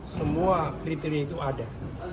semua kriteria itu ada